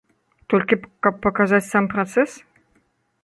Толькі каб паказаць сам працэс?